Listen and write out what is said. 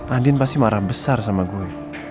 adin pasti marah besar sama gue